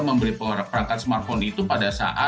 dan kemudian kalau dilihat sebenarnya pola pergerakannya masih sama